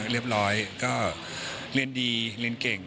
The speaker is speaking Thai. เรียบร้อยก็เรียนดีเรียนเก่ง